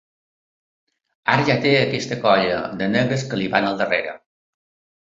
Ara ja té aquesta colla de negres que li van al darrere.